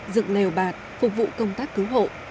dựng nèo bạt phục vụ công tác cứu hộ